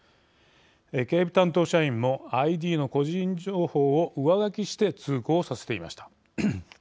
警備担当社員もＩＤの個人情報を上書きして通行させていました。